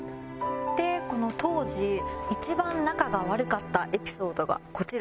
この当時一番仲が悪かったエピソードがこちら。